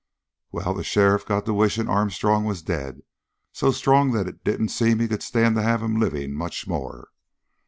"Well, the sheriff got to wishing Armstrong was dead so strong that it didn't seem he could stand to have him living much more.